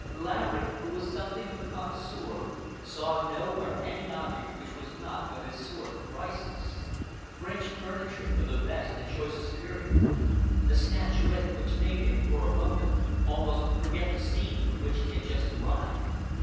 Laverick, who was something of a connoisseur, saw nowhere any object which was not, of its sort, priceless,—French furniture of the best and choicest period, a statuette which made him, for a moment, almost forget the scene from which he had just arrived.